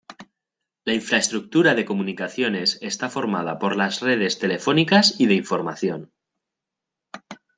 La infraestructura de comunicaciones está formada por las redes telefónicas y de información.